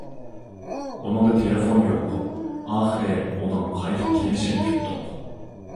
ئۇنىڭدا تېلېفون يوق، ئاخىرى ئۇنىڭ قايتىپ كېلىشىنى كۈتتۇق.